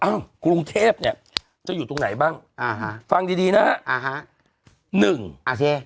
อ้าวบางราพีจะอยู่ตรงไหนบ้างฟังสนับประหลาดนะ